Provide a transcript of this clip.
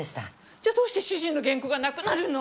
じゃあどうして主人の原稿がなくなるの！？